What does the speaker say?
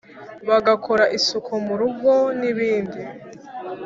bagakora isuku mu rugo n’ibindi.